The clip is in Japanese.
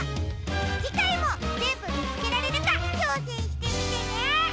じかいもぜんぶみつけられるかちょうせんしてみてね！